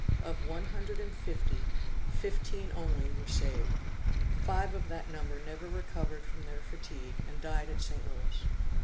Of one hundred and fifty, fifteen only were saved. Five of that number never recovered from their fatigue, and died at St. Louis.